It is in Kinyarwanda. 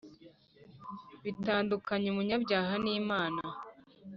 bitandukanya umunyabyaha n'Imana,